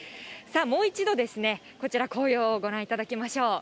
もう一度、こちら、紅葉をご覧いただきましょう。